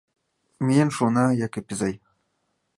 — Миен шуына, Якып изай.